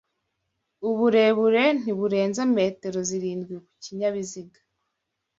uburebure ntiburenza metero zirindwi ku kinyabiziga